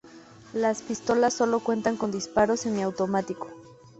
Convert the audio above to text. Las pistolas sólo cuentan con disparo semiautomático.